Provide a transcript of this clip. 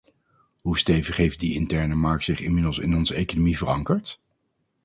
Hoe stevig heeft die interne markt zich inmiddels in onze economie verankerd?